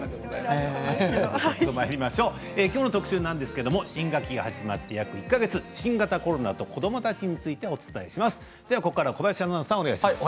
きょうの特集は新学期が始まって約１か月新型コロナと子どもたちについてお伝えします。